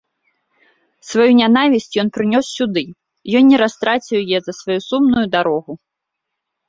Сваю нянавісць ён прынёс сюды, ён не растраціў яе за сваю сумную дарогу.